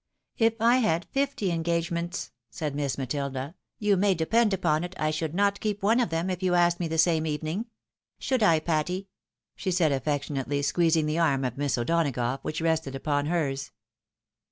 " If I had fifty engagements," said Miss Matilda, " you may depend upon it I should not keep one of them, if you asked me the same evening. Should I, Patty?" she said, affectionately squeezing the arm of Miss O'Donagough, which rested upon hers.